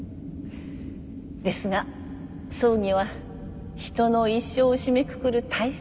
ですが葬儀は人の一生を締めくくる大切な儀式。